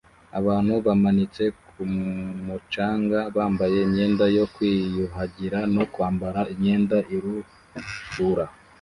Abantu bamanitse ku mucanga bambaye imyenda yo kwiyuhagira no kwambara imyenda iruhura